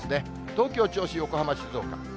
東京、銚子、横浜、静岡。